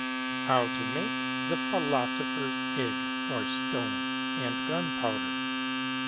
XI. How TO MAKE THE PHILOSOPHER'S EGG (OB STONE) AND GUNPOWDER.